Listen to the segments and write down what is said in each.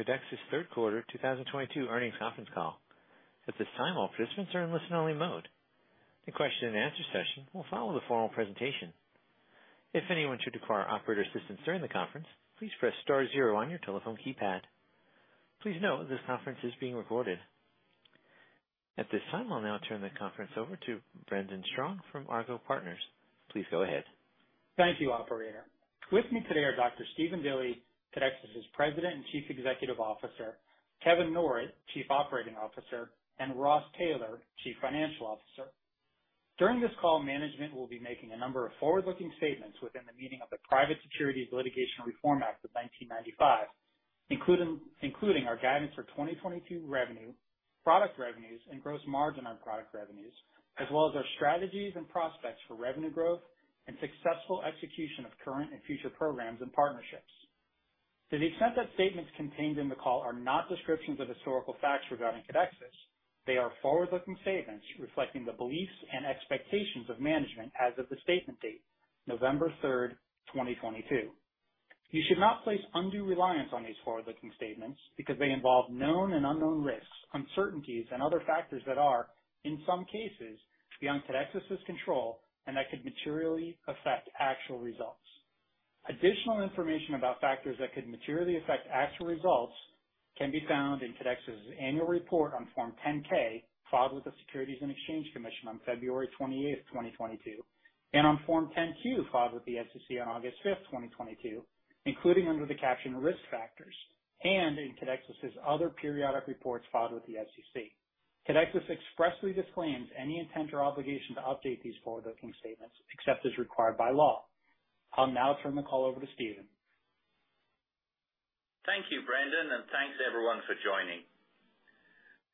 Codexis third quarter 2022 earnings conference call. At this time, all participants are in listen-only mode. The question and answer session will follow the formal presentation. If anyone should require operator assistance during the conference, please press star zero on your telephone keypad. Please note this conference is being recorded. At this time, I'll now turn the conference over to Brendan Strong from Argot Partners. Please go ahead. Thank you, operator. With me today are Dr. Stephen Dilly, Codexis's President and Chief Executive Officer, Kevin Norrett, Chief Operating Officer, and Ross Taylor, Chief Financial Officer. During this call, management will be making a number of forward-looking statements within the meaning of the Private Securities Litigation Reform Act of 1995, including our guidance for 2022 revenue, product revenues, and gross margin on product revenues, as well as our strategies and prospects for revenue growth and successful execution of current and future programs and partnerships. To the extent that statements contained in the call are not descriptions of historical facts regarding Codexis, they are forward-looking statements reflecting the beliefs and expectations of management as of the statement date, November third, 2022. You should not place undue reliance on these forward-looking statements because they involve known and unknown risks, uncertainties and other factors that are, in some cases, beyond Codexis's control and that could materially affect actual results. Additional information about factors that could materially affect actual results can be found in Codexis's Annual Report on Form 10-K, filed with the Securities and Exchange Commission on February 28, 2022, and on Form 10-Q, filed with the SEC on August fiveth, 2022, including under the caption Risk Factors, and in Codexis's other periodic reports filed with the SEC. Codexis expressly disclaims any intent or obligation to update these forward-looking statements except as required by law. I'll now turn the call over to Stephen. Thank you, Brendan, and thanks everyone for joining.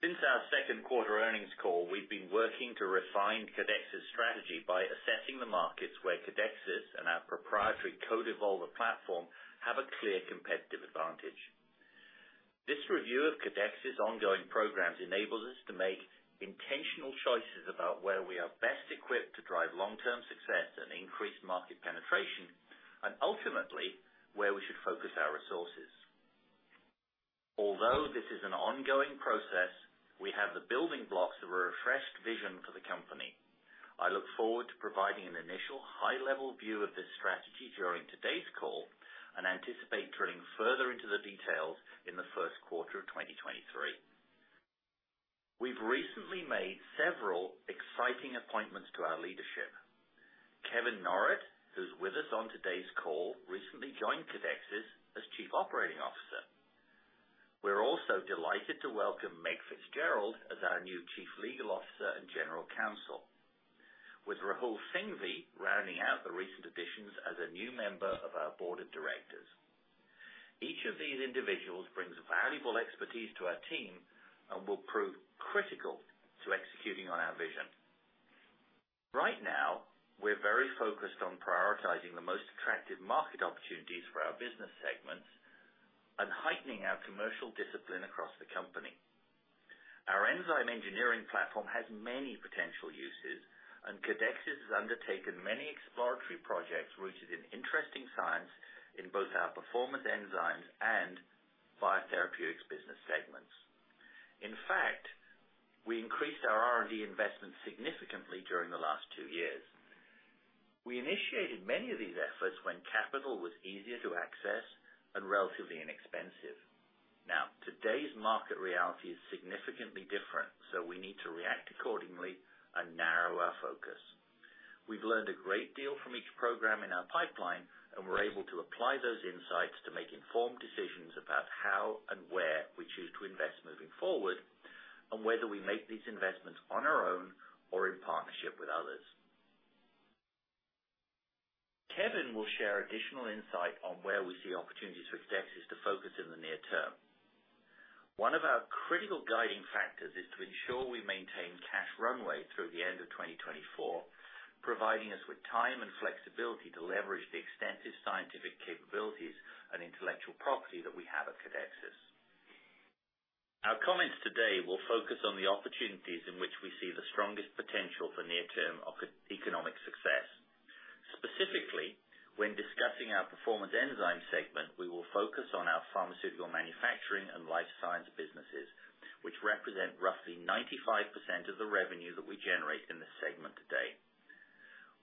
Since our second quarter earnings call, we've been working to refine Codexis's strategy by assessing the markets where Codexis and our proprietary CodeEvolver platform have a clear competitive advantage. This review of Codexis's ongoing programs enables us to make intentional choices about where we are best equipped to drive long-term success and increase market penetration and ultimately where we should focus our resources. Although this is an ongoing process, we have the building blocks of a refreshed vision for the company. I look forward to providing an initial high-level view of this strategy during today's call and anticipate drilling further into the details in the first quarter of 2023. We've recently made several exciting appointments to our leadership. Kevin Norrett, who's with us on today's call, recently joined Codexis as Chief Operating Officer. We're also delighted to welcome Meg Fitzgerald as our new Chief Legal Officer and General Counsel. With Rahul Singhvi rounding out the recent additions as a new member of our Board of Directors. Each of these individuals brings valuable expertise to our team and will prove critical to executing on our vision. Right now, we're very focused on prioritizing the most attractive market opportunities for our business segments and heightening our commercial discipline across the company. Our enzyme engineering platform has many potential uses, and Codexis has undertaken many exploratory projects rooted in interesting science in both our performance enzymes and biotherapeutics business segments. In fact, we increased our R&D investment significantly during the last two years. We initiated many of these efforts when capital was easier to access and relatively inexpensive. Now, today's market reality is significantly different, so we need to react accordingly and narrow our focus. We've learned a great deal from each program in our pipeline, and we're able to apply those insights to make informed decisions about how and where we choose to invest moving forward, and whether we make these investments on our own or in partnership with others. Kevin will share additional insight on where we see opportunities for Codexis to focus in the near term. One of our critical guiding factors is to ensure we maintain cash runway through the end of 2024, providing us with time and flexibility to leverage the extensive scientific capabilities and intellectual property that we have at Codexis. Our comments today will focus on the opportunities in which we see the strongest potential for near-term economic success. Specifically, when discussing our performance enzyme segment, we will focus on our pharmaceutical manufacturing and life science businesses, which represent roughly 95% of the revenue that we generate in this segment today.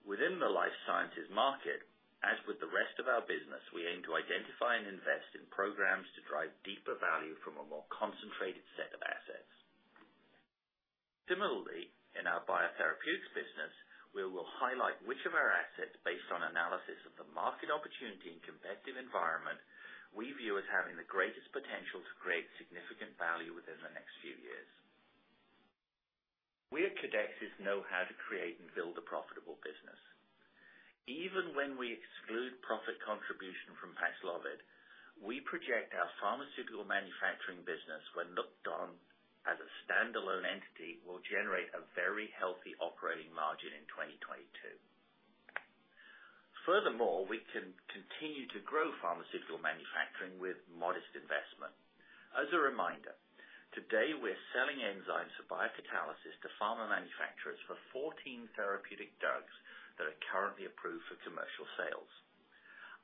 Within the life sciences market, as with the rest of our business, we aim to identify and invest in programs to drive deeper value from a more concentrated set of assets. Similarly, in our biotherapeutics business, we will highlight which of our assets, based on analysis of the market opportunity and competitive environment, we view as having the greatest potential to create significant value within the next few years. We at Codexis know how to create and build a profitable business. Even when we exclude profit contribution from Paxlovid, we project our pharmaceutical manufacturing business, when looked on as a standalone entity, will generate a very healthy operating margin in 2022. Furthermore, we can continue to grow pharmaceutical manufacturing with modest investment. As a reminder. Today, we are selling enzymes for biocatalysis to pharma manufacturers for 14 therapeutic drugs that are currently approved for commercial sales.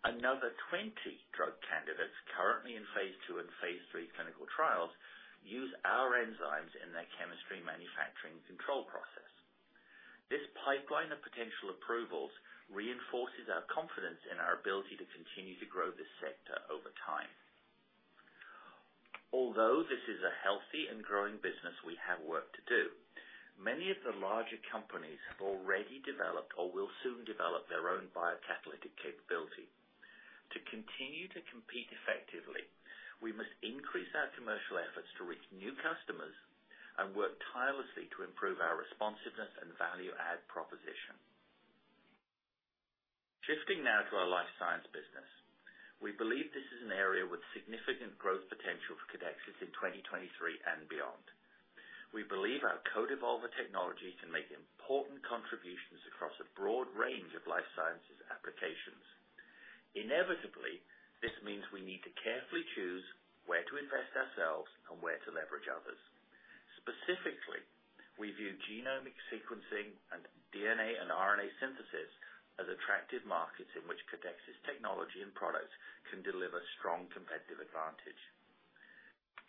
Another 20 drug candidates currently in phase two and phase three clinical trials use our enzymes in their chemistry and manufacturing control process. This pipeline of potential approvals reinforces our confidence in our ability to continue to grow this sector over time. Although this is a healthy and growing business, we have work to do. Many of the larger companies have already developed or will soon develop their own biocatalytic capability. To continue to compete effectively, we must increase our commercial efforts to reach new customers and work tirelessly to improve our responsiveness and value add proposition. Shifting now to our life science business. We believe this is an area with significant growth potential for Codexis in 2023 and beyond. We believe our CodeEvolver technology can make important contributions across a broad range of life sciences applications. Inevitably, this means we need to carefully choose where to invest ourselves and where to leverage others. Specifically, we view genomic sequencing and DNA and RNA synthesis as attractive markets in which Codexis technology and products can deliver strong competitive advantage.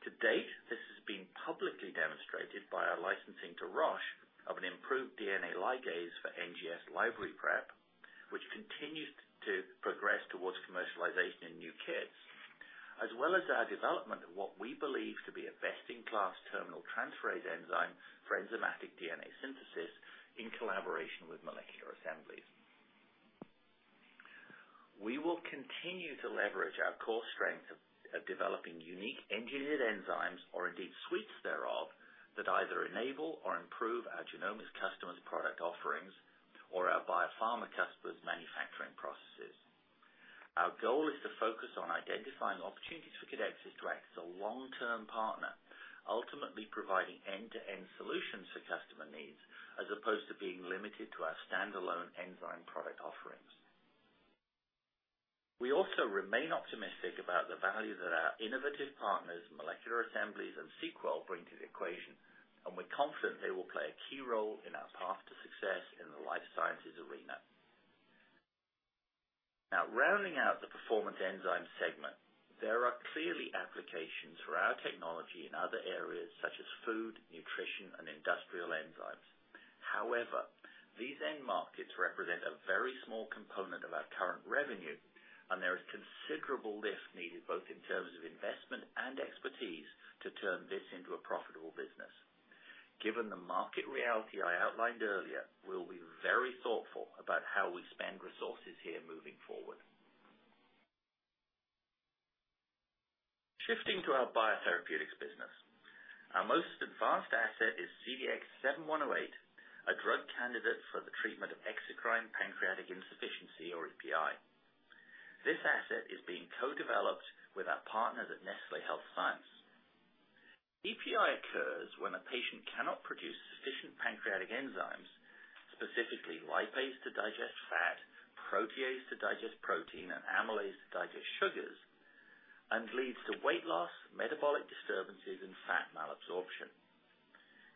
To date, this has been publicly demonstrated by our licensing to Roche of an improved DNA ligase for NGS library prep, which continues to progress towards commercialization in new kits, as well as our development of what we believe to be a best-in-class terminal transferase enzyme for enzymatic DNA synthesis in collaboration with Molecular Assemblies. We will continue to leverage our core strength of developing unique engineered enzymes, or indeed suites thereof, that either enable or improve our genomics customers' product offerings or our biopharma customers' manufacturing processes. Our goal is to focus on identifying opportunities for Codexis to act as a long-term partner, ultimately providing end-to-end solutions for customer needs, as opposed to being limited to our standalone enzyme product offerings. We also remain optimistic about the value that our innovative partners, Molecular Assemblies and SeqWell, bring to the equation, and we're confident they will play a key role in our path to success in the life sciences arena. Now rounding out the performance enzyme segment, there are clearly applications for our technology in other areas such as food, nutrition, and industrial enzymes. However, these end markets represent a very small component of our current revenue, and there is considerable lift needed both in terms of investment and expertise to turn this into a profitable business. Given the market reality I outlined earlier, we'll be very thoughtful about how we spend resources here moving forward. Shifting to our biotherapeutics business. Our most advanced asset is CDX-7108, a drug candidate for the treatment of exocrine pancreatic insufficiency or EPI. This asset is being co-developed with our partners at Nestlé Health Science. EPI occurs when a patient cannot produce sufficient pancreatic enzymes, specifically lipase to digest fat, protease to digest protein, and amylase to digest sugars, and leads to weight loss, metabolic disturbances, and fat malabsorption.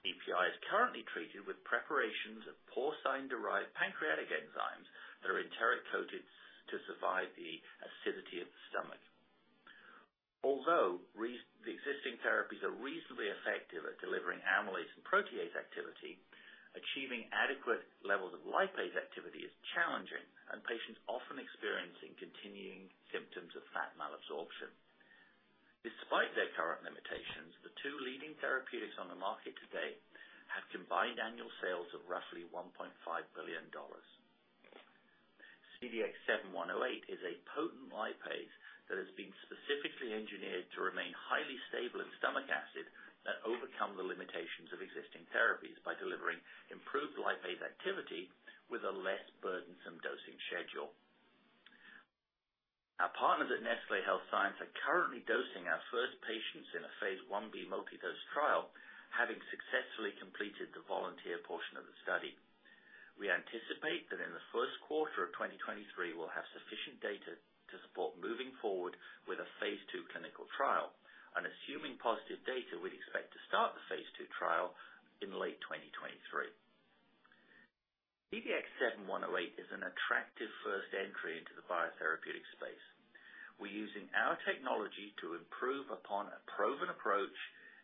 EPI is currently treated with preparations of porcine-derived pancreatic enzymes that are enteric-coated to survive the acidity of the stomach. Although the existing therapies are reasonably effective at delivering amylase and protease activity, achieving adequate levels of lipase activity is challenging, and patients often experience continuing symptoms of fat malabsorption. Despite their current limitations, the two leading therapeutics on the market today have combined annual sales of roughly $1.5 billion. CDX-7108 is a potent lipase that has been specifically engineered to remain highly stable in stomach acid to overcome the limitations of existing therapies by delivering improved lipase activity with a less burdensome dosing schedule. Our partners at Nestlé Health Science are currently dosing our first patients in a phase 1b multi-dose trial, having successfully completed the volunteer portion of the study. We anticipate that in the first quarter of 2023, we'll have sufficient data to support moving forward with a phase 2 clinical trial. Assuming positive data, we'd expect to start the phase two trial in late 2023. CDX-7108 is an attractive first entry into the biotherapeutic space. We're using our technology to improve upon a proven approach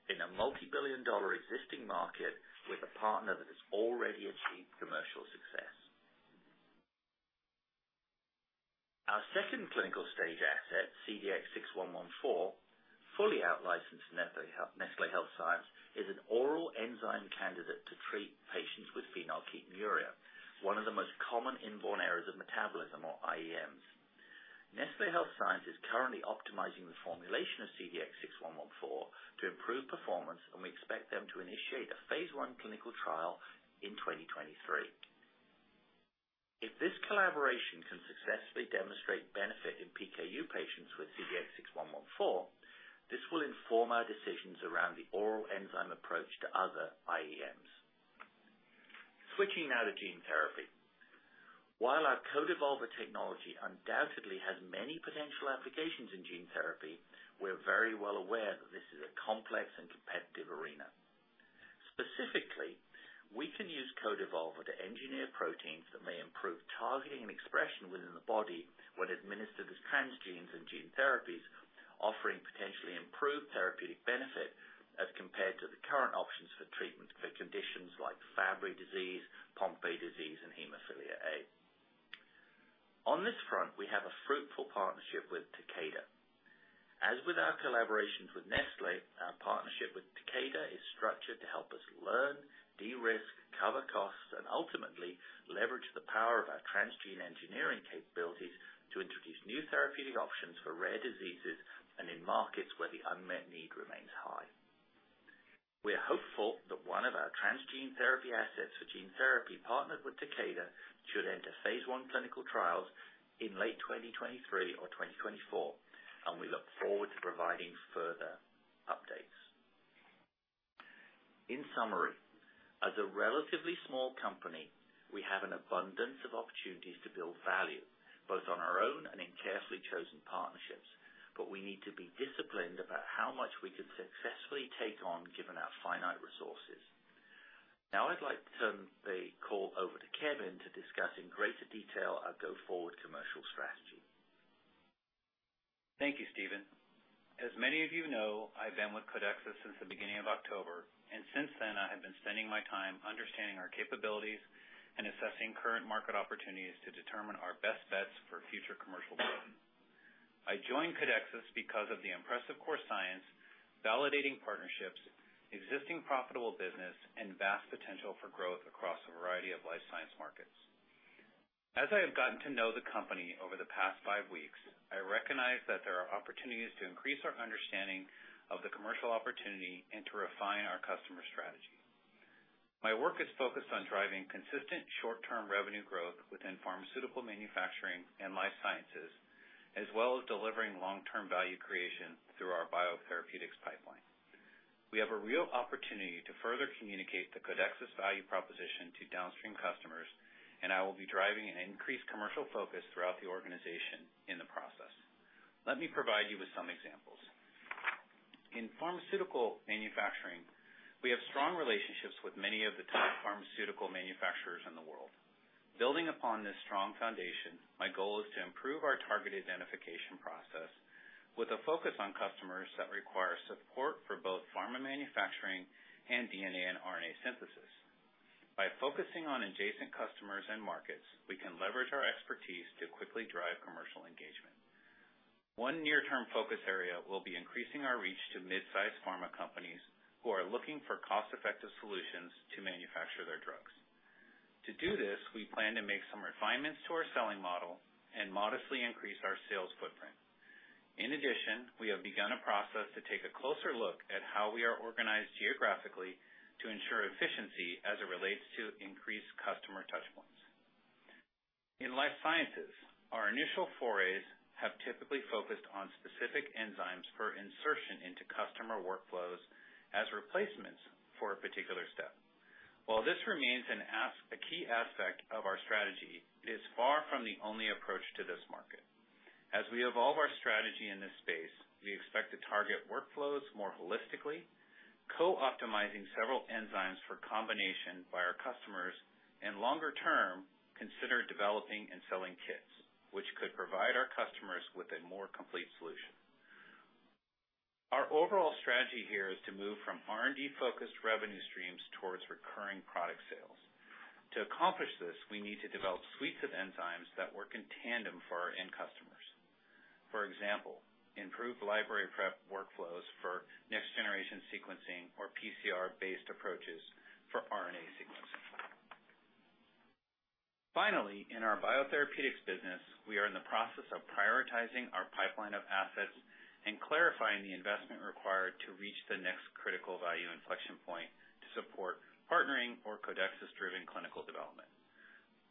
in a multi-billion-dollar existing market with a partner that has already achieved commercial success. Our second clinical stage asset, CDX-6114, fully out-licensed Nestlé Health Science, is an oral enzyme candidate to treat patients with phenylketonuria, one of the most common inborn errors of metabolism or IEMs. Nestlé Health Science is currently optimizing the formulation of CDX-6114 to improve performance, and we expect them to initiate a phase one clinical trial in 2023. If this collaboration can successfully demonstrate benefit in PKU patients with CDX-6114, this will inform our decisions around the oral enzyme approach to other. Switching now to gene therapy. While our CodeEvolver technology undoubtedly has many potential applications in gene therapy, we're very well aware that this is a complex and competitive arena. Specifically, we can use CodeEvolver to engineer proteins that may improve targeting and expression within the body when administered as transgenes in gene therapies, offering potentially improved therapeutic benefit as compared to the current options for treatment for conditions like Fabry disease, Pompe disease, and Hemophilia A. On this front, we have a fruitful partnership with Takeda. As with our collaborations with Nestlé, our partnership with Takeda is structured to help us learn, de-risk, cover costs, and ultimately leverage the power of our transgene engineering capabilities to introduce new therapeutic options for rare diseases and in markets where the unmet need remains high. We are hopeful that one of our transgene therapy assets for gene therapy partnered with Takeda should enter phase 1 clinical trials in late 2023 or 2024, and we look forward to providing further updates. In summary, as a relatively small company, we have an abundance of opportunities to build value, both on our own and in carefully chosen partnerships, but we need to be disciplined about how much we can successfully take on given our finite resources. Now, I'd like to turn the call over to Kevin to discuss in greater detail our go-forward commercial strategy. Thank you, Stephen. As many of you know, I've been with Codexis since the beginning of October, and since then, I have been spending my time understanding our capabilities and assessing current market opportunities to determine our best bets for future commercial growth. I joined Codexis because of the impressive core science, validating partnerships, existing profitable business, and vast potential for growth across a variety of life science markets. As I have gotten to know the company over the past five weeks, I recognize that there are opportunities to increase our understanding of the commercial opportunity and to refine our customer strategy. My work is focused on driving consistent short-term revenue growth within pharmaceutical manufacturing and life sciences, as well as delivering long-term value creation through our biotherapeutics pipeline. We have a real opportunity to further communicate the Codexis value proposition to downstream customers, and I will be driving an increased commercial focus throughout the organization in the process. Let me provide you with some examples. In pharmaceutical manufacturing, we have strong relationships with many of the top pharmaceutical manufacturers in the world. Building upon this strong foundation, my goal is to improve our target identification process with a focus on customers that require support for both pharma manufacturing and DNA and RNA synthesis. By focusing on adjacent customers and markets, we can leverage our expertise to quickly drive commercial engagement. One near-term focus area will be increasing our reach to mid-size pharma companies who are looking for cost-effective solutions to manufacture their drugs. To do this, we plan to make some refinements to our selling model and modestly increase our sales footprint. In addition, we have begun a process to take a closer look at how we are organized geographically to ensure efficiency as it relates to increased customer touch points. In life sciences, our initial forays have typically focused on specific enzymes for insertion into customer workflows as replacements for a particular step. While this remains a key aspect of our strategy, it is far from the only approach to this market. As we evolve our strategy in this space, we expect to target workflows more holistically, co-optimizing several enzymes for combination by our customers, and longer term, consider developing and selling kits, which could provide our customers with a more complete solution. Our overall strategy here is to move from R&D-focused revenue streams towards recurring product sales. To accomplish this, we need to develop suites of enzymes that work in tandem for our end customers. For example, improved library prep workflows for next-generation sequencing or PCR-based approaches for RNA sequencing. Finally, in our biotherapeutics business, we are in the process of prioritizing our pipeline of assets and clarifying the investment required to reach the next critical value inflection point to support partnering or Codexis-driven clinical development.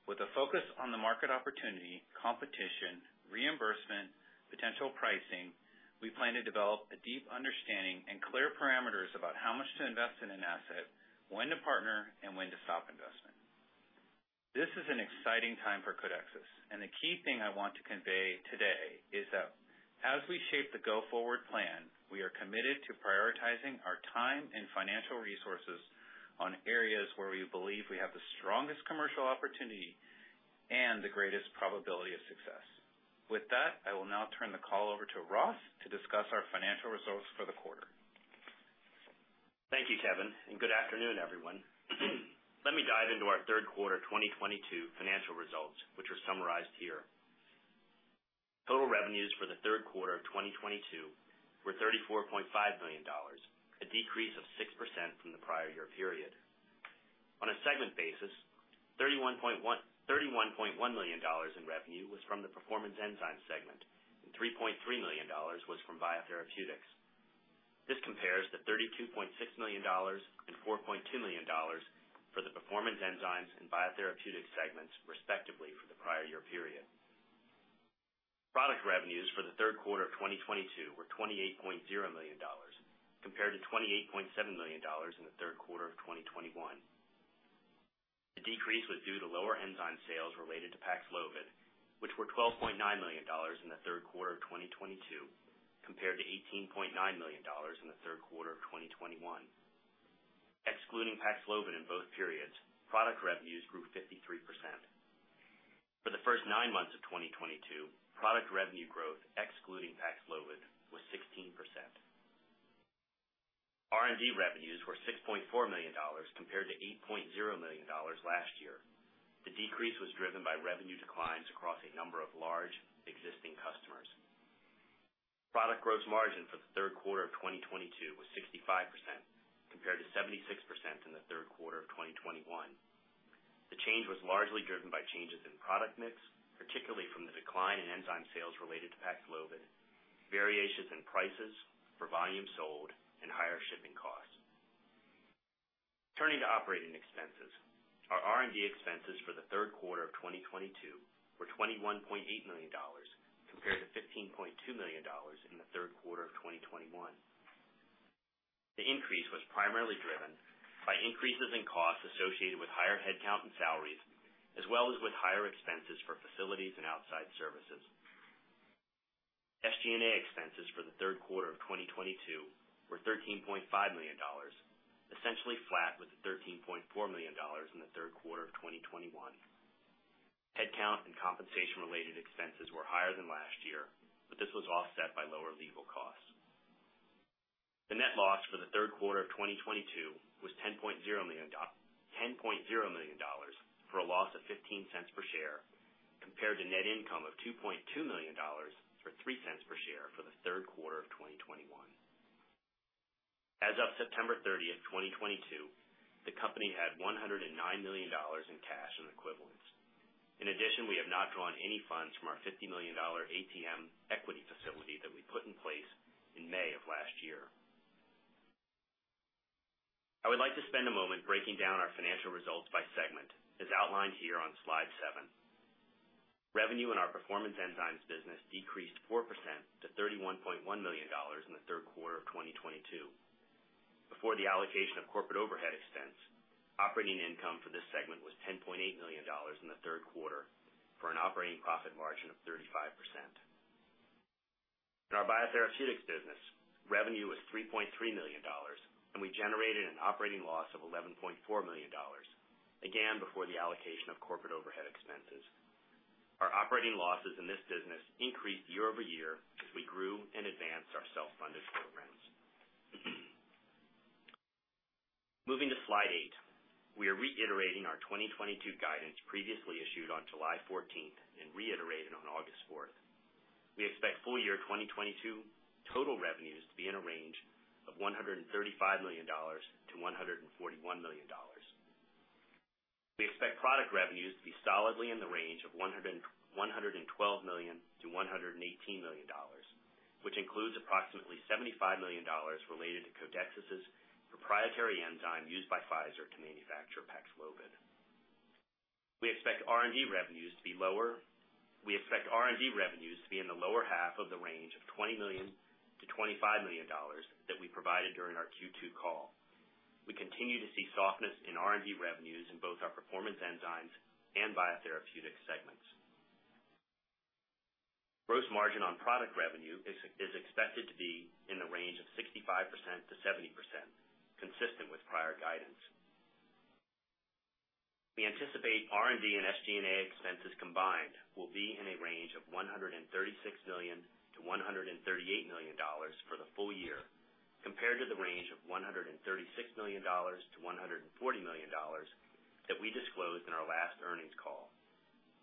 With a focus on the market opportunity, competition, reimbursement, potential pricing, we plan to develop a deep understanding and clear parameters about how much to invest in an asset, when to partner, and when to stop investment. This is an exciting time for Codexis, and the key thing I want to convey today is that as we shape the go-forward plan, we are committed to prioritizing our time and financial resources on areas where we believe we have the strongest commercial opportunity and the greatest probability of success. With that, I will now turn the call over to Ross to discuss our financial results for the quarter. Thank you, Kevin, and good afternoon, everyone. Let me dive into our third quarter 2022 financial results, which are summarized here. Total revenues for the third quarter of 2022 were $34.5 million, a decrease of 6% from the prior year period. On a segment basis, $31.1 million in revenue was from the performance enzymes segment, and $3.3 million was from biotherapeutics. This compares to $32.6 million and $4.2 million for the performance enzymes and biotherapeutic segments, respectively, for the prior year period. Product revenues for the third quarter of 2022 were $28.0 million compared to $28.7 million in the third quarter of 2021. The decrease was due to lower enzyme sales related to Paxlovid, which were $12.9 million in the third quarter of 2022 compared to $18.9 million in the third quarter of 2021. Excluding Paxlovid in both periods, product revenues grew 53%. For the first nine months of 2022, product revenue growth excluding Paxlovid was 16%. R&D revenues were $6.4 million compared to $8.0 million last year. The decrease was driven by revenue declines across a number of large existing customers. Product gross margin for the third quarter of 2022 was 65%, compared to 76% in the third quarter of 2021. The change was largely driven by changes in product mix, particularly from the decline in enzyme sales related to Paxlovid, variations in prices for volume sold, and higher shipping costs. Turning to operating expenses. Our R&D expenses for the third quarter of 2022 were $21.8 million compared to $15.2 million in the third quarter of 2021. The increase was primarily driven by increases in costs associated with higher headcount and salaries, as well as with higher expenses for facilities and outside services. SG&A expenses for the third quarter of 2022 were $13.5 million, essentially flat with the $13.4 million in the third quarter of 2021. Headcount and compensation-related expenses were higher than last year, but this was offset by lower legal costs. The net loss for the third quarter of 2022 was $10.0 million, for a loss of $0.15 per share, compared to net income of $2.2 million for $0.03 per share for the third quarter of 2021. As of September 30, 2022, the company had $109 million in cash and equivalents. In addition, we have not drawn any funds from our $50 million ATM equity facility that we put in place in May of last year. I would like to spend a moment breaking down our financial results by segment, as outlined here on slide seven. Revenue in our performance enzymes business decreased 4% to $31.1 million in the third quarter of 2022. Before the allocation of corporate overhead expense, operating income for this segment was $10.8 million in the third quarter for an operating profit margin of 35%. In our biotherapeutics business, revenue was $3.3 million, and we generated an operating loss of $11.4 million, again, before the allocation of corporate overhead expenses. Our operating losses in this business increased year-over-year as we grew and advanced our self-funded programs. Moving to slide 8. We are reiterating our 2022 guidance previously issued on July fourteenth and reiterated on August fourth. We expect full-year 2022 total revenues to be in a range of $135 million-$141 million. We expect product revenues to be solidly in the range of $112 million-$118 million, which includes approximately $75 million related to Codexis' proprietary enzyme used by Pfizer to manufacture Paxlovid. We expect R&D revenues to be lower. We expect R&D revenues to be in the lower half of the range of $20 million-$25 million that we provided during our Q2 call. We continue to see softness in R&D revenues in both our performance enzymes and biotherapeutic segments. Gross margin on product revenue is expected to be in the range of 65%-70%, consistent with prior guidance. We anticipate R&D and SG&A expenses combined will be in a range of $136 million-$138 million for the full year, compared to the range of $136 million-$140 million that we disclosed in our last earnings call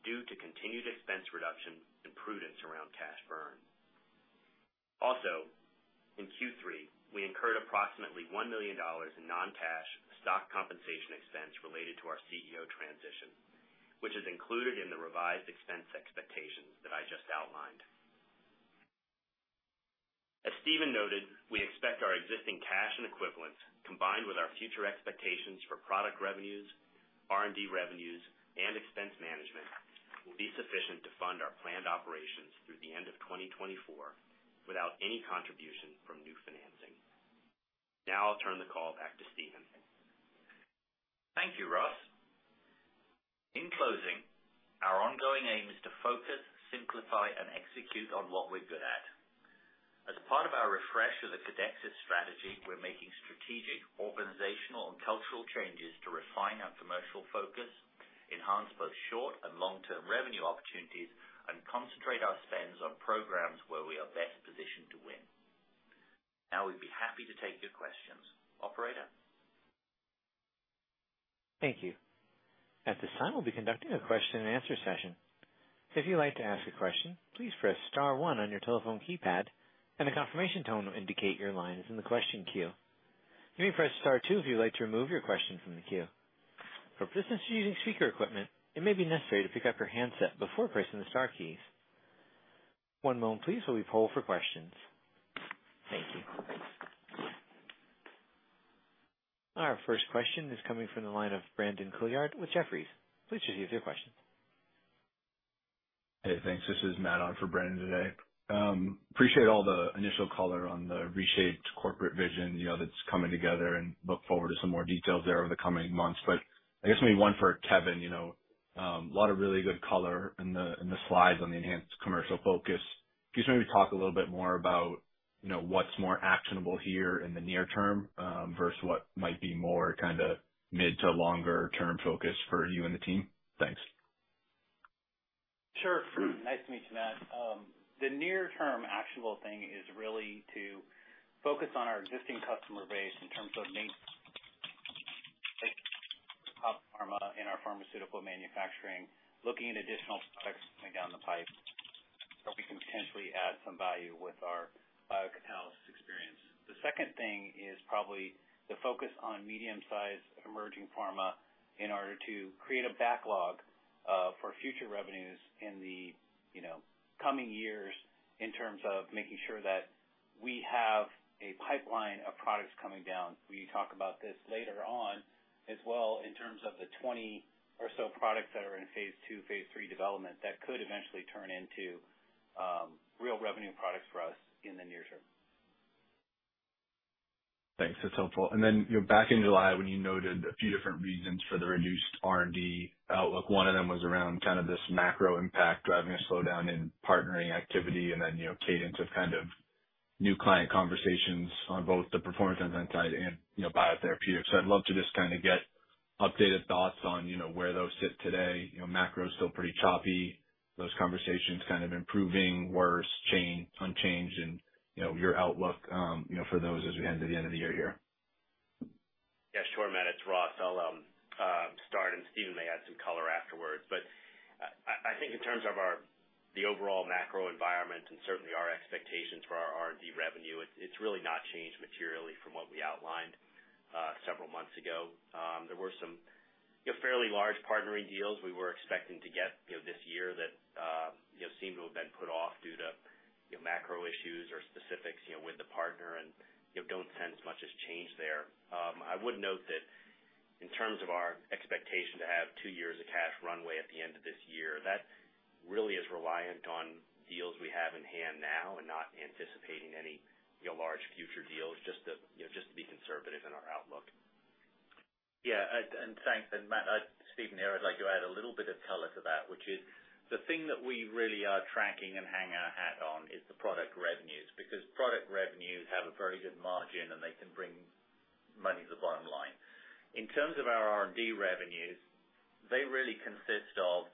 due to continued expense reduction and prudence around cash burn. Also, in Q3, we incurred approximately $1 million in non-cash stock compensation expense related to our CEO transition, which is included in the revised expense expectations that I just outlined. As Stephen noted, we expect our existing cash and equivalents, combined with our future expectations for product revenues, R&D revenues, and expense management, will be sufficient to fund our planned operations through the end of 2024 without any contribution from new financing. Now I'll turn the call back to Stephen. Thank you, Ross. In closing, our ongoing aim is to focus, simplify, and execute on what we're good at. As part of our refresh of the Codexis strategy, we're making strategic, organizational, and cultural changes to refine our commercial focus, enhance both short and long-term revenue opportunities, and concentrate our spends on programs where we are best positioned to win. Now we'd be happy to take your questions. Operator? Thank you. At this time, we'll be conducting a question and answer session. If you'd like to ask a question, please press star one on your telephone keypad, and a confirmation tone will indicate your line is in the question queue. You may press star two if you'd like to remove your question from the queue. For participants using speaker equipment, it may be necessary to pick up your handset before pressing the star keys. One moment please while we poll for questions. Thank you. Our first question is coming from the line of Brandon Couillard with Jefferies. Please proceed with your question. Hey, thanks. This is Matt on for Brandon today. Appreciate all the initial color on the reshaped corporate vision, you know, that's coming together, and look forward to some more details there over the coming months. I guess maybe one for Kevin, you know, a lot of really good color in the slides on the enhanced commercial focus. Can you maybe talk a little bit more about, you know, what's more actionable here in the near term, versus what might be more kinda mid to longer term focus for you and the team? Thanks. Sure. Nice to meet you, Matt. The near term actionable thing is really to focus on our existing customer base in terms of in our pharmaceutical manufacturing, looking at additional products coming down the pipe that we can potentially add some value with our biocatalyst experience. The second thing is probably the focus on medium-sized emerging pharma in order to create a backlog for future revenues in the, you know, coming years in terms of making sure that we have a pipeline of products coming down. We talk about this later on as well in terms of the 20 or so products that are in phase 2, phase 3 development that could eventually turn into real revenue products for us in the near term. Thanks. That's helpful. You know, back in July when you noted a few different reasons for the reduced R&D outlook, one of them was around kind of this macro impact driving a slowdown in partnering activity and then, you know, cadence of kind of new client conversations on both the performance enzyme side and, you know, biotherapeutics. I'd love to just kinda get updated thoughts on, you know, where those sit today. You know, macro's still pretty choppy. Those conversations kind of improving, worse, changing, unchanged, and, you know, your outlook, you know, for those as we head to the end of the year here. Yeah, sure, Matt, it's Ross. I'll start, and Stephen may add some color afterwards. I think in terms of the overall macro environment and certainly our expectations for our R&D revenue, it's really not changed materially from what we outlined several months ago. There were some, you know, fairly large partnering deals we were expecting to get, you know, this year that, you know, seem to have been put off due to, you know, macro issues or specifics, you know, with the partner and, you know, don't sense much has changed there. I would note that in terms of our expectation to have two years of cash runway at the end of this year, that really is reliant on deals we have in hand now and not anticipating any, you know, large future deals, just to, you know, just to be conservative in our outlook. Yeah, thanks. Matt, I, Stephen here. I'd like to add a little bit of color to that, which is the thing that we really are tracking and hang our hat on is the product revenues, because product revenues have a very good margin, and they can bring money to the bottom line. In terms of our R&D revenues, they really consist of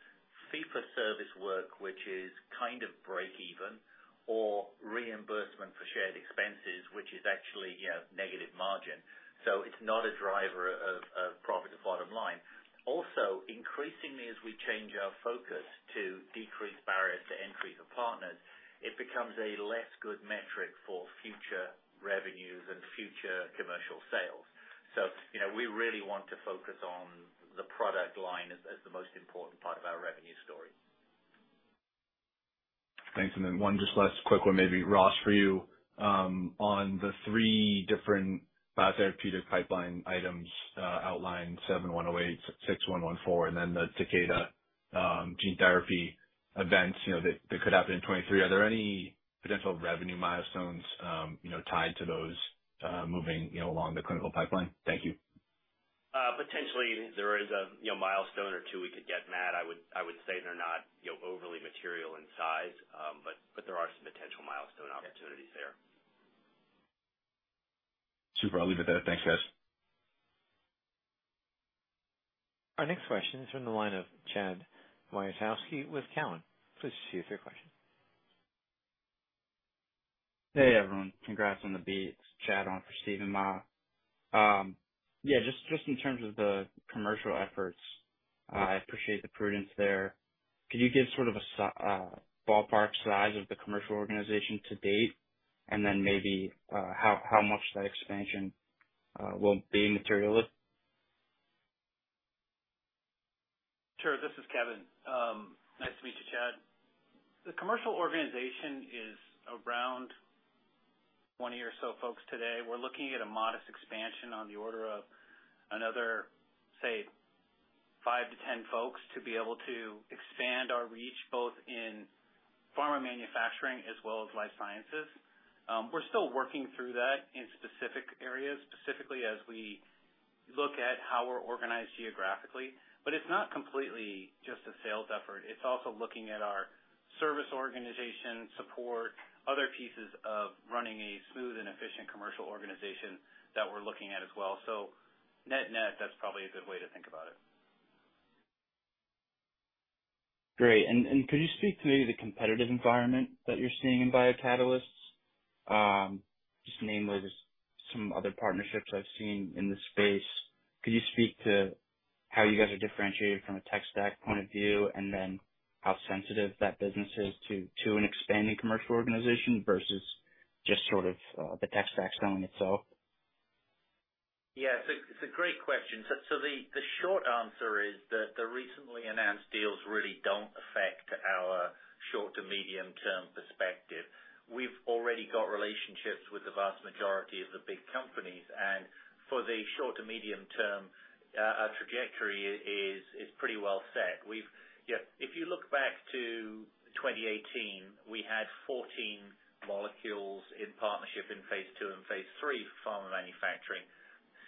fee for service work, which is kind of break even, or reimbursement for shared expenses, which is actually, you know, negative margin. It's not a driver of profit to bottom line. Also, increasingly, as we change our focus to decrease barriers to entry for partners, it becomes a less good metric for future revenues and future commercial sales. You know, we really want to focus on the product line as the most important part of our revenue story. Thanks. One just last quick one maybe, Ross, for you. On the three different biotherapeutic pipeline items, outlined 7108, 6114, and then the Takeda gene therapy events, you know, that could happen in 2023, are there any potential revenue milestones, you know, tied to those, moving along the clinical pipeline? Thank you. Potentially there is a, you know, milestone or two we could get, Matt. I would say they're not, you know, overly material in size, but there are some potential milestone opportunities there. Super. I'll leave it there. Thanks, guys. Our next question is from the line of Chad Wiatroski with Cowen. Please proceed with your question. Hey, everyone. Congrats on the beat. It's Chad on for Steven Mah. Yeah, just in terms of the commercial efforts, I appreciate the prudence there. Could you give sort of a ballpark size of the commercial organization to date, and then maybe how much that expansion will be material? Sure. This is Kevin. Nice to meet you, Chad. The commercial organization is around 20 or so folks today. We're looking at a modest expansion on the order of another, say, 5-10 folks to be able to expand our reach both in pharma manufacturing as well as life sciences. We're still working through that in specific areas, specifically as we look at how we're organized geographically. It's not completely just a sales effort. It's also looking at our service organization, support, other pieces of running a smooth and efficient commercial organization that we're looking at as well. Net-net, that's probably a good way to think about it. Great. Could you speak to maybe the competitive environment that you're seeing in biocatalysis? Just to name like some other partnerships I've seen in this space, could you speak to how you guys are differentiated from a tech stack point of view, and then how sensitive that business is to an expanding commercial organization versus just sort of the tech stack selling itself? It's a great question. The short answer is that the recently announced deals really don't affect our short to medium term perspective. We've already got relationships with the vast majority of the big companies. For the short to medium term, our trajectory is pretty well set. We've, you know, if you look back to 2018, we had 14 molecules in partnership in phase two and phase three pharma manufacturing,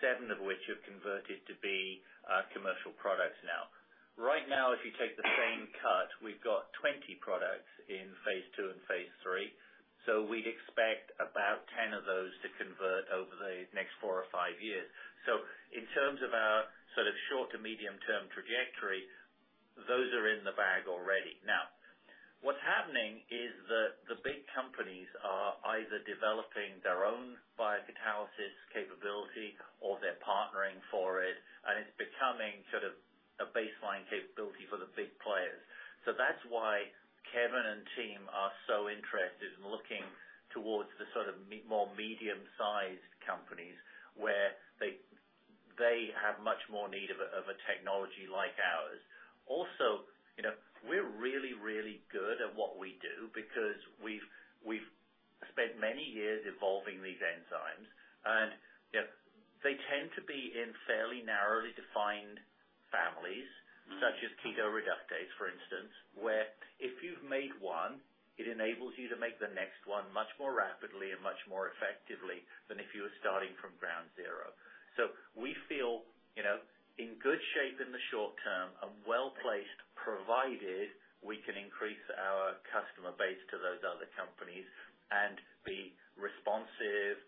seven of which have converted to be commercial products now. Right now, if you take the same cut, we've got 20 products in phase two and phase three. We'd expect about 10 of those to convert over the next four or five years. In terms of our sort of short to medium-term trajectory, those are in the bag already. What's happening is that the big companies are either developing their own biocatalysis capability or they're partnering for it, and it's becoming sort of a baseline capability for the big players. That's why Kevin and team are so interested in looking towards the sort of me-too medium-sized companies, where they have much more need of a technology like ours. Also, you know, we're really, really good at what we do because we've spent many years evolving these enzymes. You know, they tend to be in fairly narrowly defined families, such as ketoreductase, for instance, where if you've made one, it enables you to make the next one much more rapidly and much more effectively than if you were starting from ground zero. We feel, you know, in good shape in the short term and well-placed, provided we can increase our customer base to those other companies and be responsive.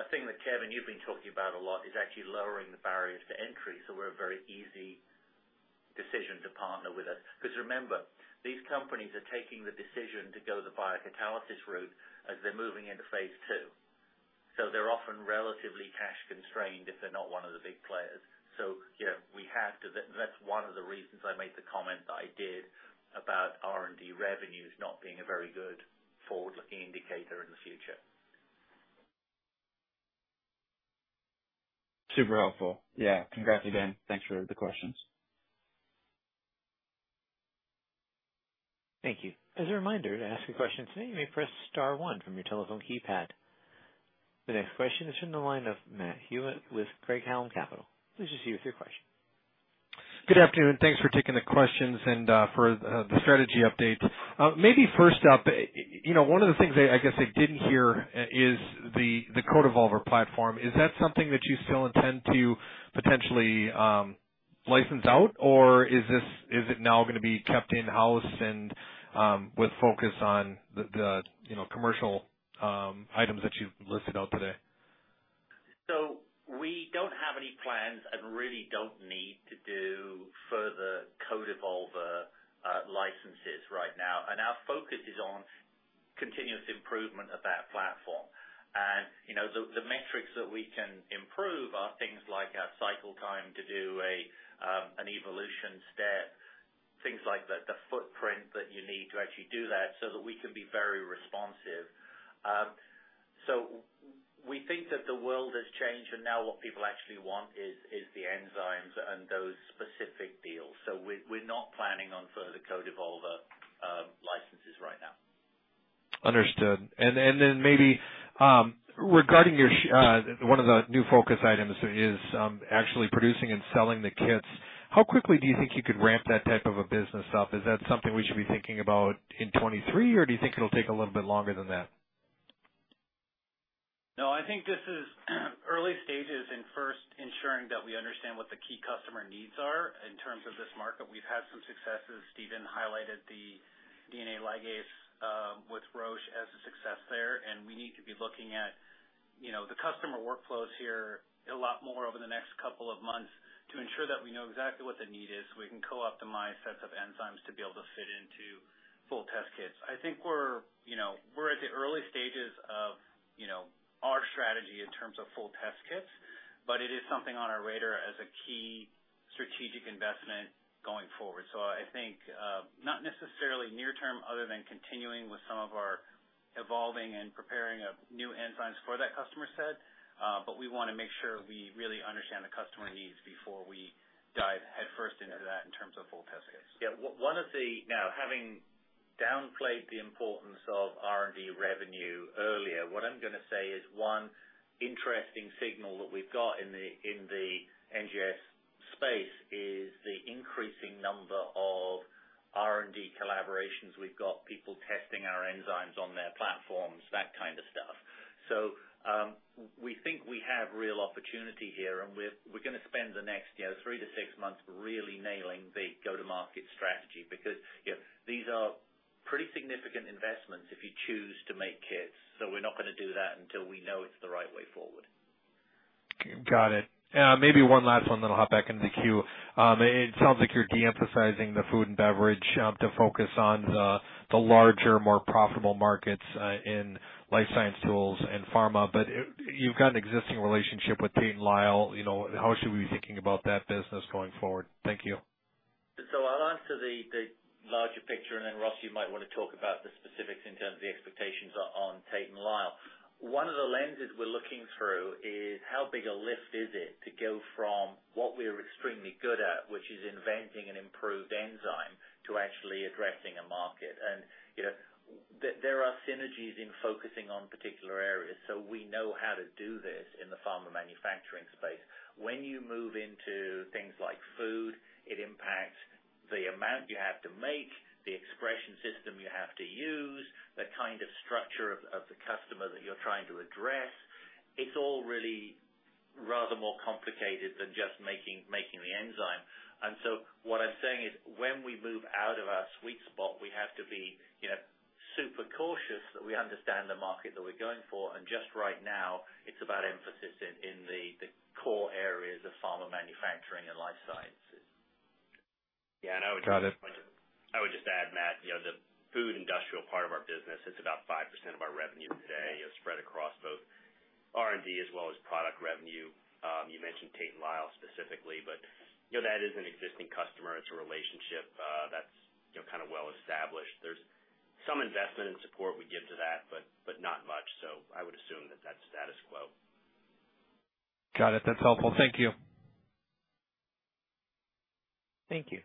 A thing that, Kevin, you've been talking about a lot is actually lowering the barriers to entry, so we're a very easy decision to partner with us. Cause remember, these companies are taking the decision to go the biocatalysis route as they're moving into phase two. They're often relatively cash constrained if they're not one of the big players. You know, that's one of the reasons I made the comment that I did about R&D revenues not being a very good forward-looking indicator in the future. Super helpful. Yeah. Congrats, again. Thanks for the questions. Thank you. As a reminder, to ask a question today, you may press star one from your telephone keypad. The next question is from the line of Matthew Hewitt with Craig-Hallum Capital Group. Please just give us your question. Good afternoon. Thanks for taking the questions and for the strategy update. Maybe first up, you know, one of the things I guess I didn't hear is the CodeEvolver platform. Is that something that you still intend to potentially license out, or is it now gonna be kept in-house and with focus on the you know commercial items that you've listed out today? We don't have any plans and really don't need to do further CodeEvolver licenses right now. Our focus is on continuous improvement of that platform. You know, the metrics that we can improve are things like our cycle time to do an evolution step, things like the footprint that you need to actually do that, so that we can be very responsive. We think that the world has changed, and now what people actually want is the enzymes and those specific deals. We're not planning on further CodeEvolver licenses right now. Understood. Then maybe regarding your one of the new focus items is actually producing and selling the kits. How quickly do you think you could ramp that type of a business up? Is that something we should be thinking about in 2023, or do you think it'll take a little bit longer than that? No, I think this is early stages in first ensuring that we understand what the key customer needs are in terms of this market. We've had some successes. Stephen highlighted the DNA ligase with Roche as a success there, and we need to be looking at, you know, the customer workflows here a lot more over the next couple of months to ensure that we know exactly what the need is, so we can co-optimize sets of enzymes to be able to fit into full test kits. I think we're, you know, at the early stages of, you know, our strategy in terms of full test kits, but it is something on our radar as a key strategic investment going forward. I think not necessarily near term other than continuing with some of our evolving and preparing of new enzymes for that customer set. we wanna make sure we really understand the customer needs before we dive headfirst into that in terms of full test kits. Yeah. One of the now, having downplayed the importance of R&D revenue earlier, what I'm gonna say is one interesting signal that we've got in the NGS space is the increasing number of R&D collaborations. We've got people testing our enzymes on their platforms, that kind of stuff. We think we have real opportunity here, and we're gonna spend the next, you know, three to six months really nailing the go-to-market strategy. Because, you know, these are pretty significant investments if you choose to make kits. We're not gonna do that until we know it's the right way forward. Got it. Maybe one last one, then I'll hop back into the queue. It sounds like you're de-emphasizing the food and beverage to focus on the larger, more profitable markets in life science tools and pharma. You've got an existing relationship with Tate & Lyle. How should we be thinking about that business going forward? Thank you. I'll answer the larger picture, and then Ross, you might wanna talk about the specifics in terms of the expectations on Tate & Lyle. One of the lenses we're looking through is how big a lift is it to go from what we're extremely good at, which is inventing an improved enzyme, to actually addressing a market. You know, there are synergies in focusing on particular areas, so we know how to do this in the pharma manufacturing space. When you move into things like food, it impacts the amount you have to make, the expression system you have to use, the kind of structure of the customer that you're trying to address. It's all really rather more complicated than just making the enzyme. What I'm saying is, when we move out of our sweet spot, we have to be, you know, super cautious that we understand the market that we're going for. Just right now, it's about emphasis in the core areas of pharma manufacturing and life sciences. Yeah. I would just. Got it. I would just add, Matt, you know, the food and industrial part of our business, it's about 5% of our revenue today. It's spread across both R&D as well as product revenue. You mentioned Tate & Lyle specifically, but, you know, that is an existing customer. It's a relationship, that's, you know, kinda well established. There's some investment and support we give to that, but not much. I would assume that that's status quo. Got it. That's helpful. Thank you. Thank you.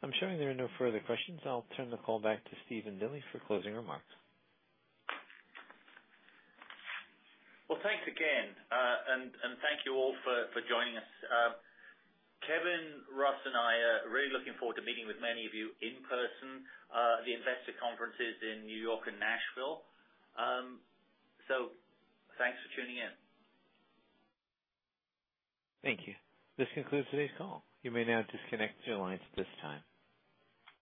I'm showing there are no further questions. I'll turn the call back to Stephen Dilly for closing remarks. Well, thanks again. Thank you all for joining us. Kevin, Ross, and I are really looking forward to meeting with many of you in person at the investor conferences in New York and Nashville. Thanks for tuning in. Thank you. This concludes today's call. You may now disconnect your lines at this time.